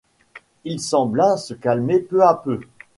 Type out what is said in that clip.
Il sembla se calmer peu à peu.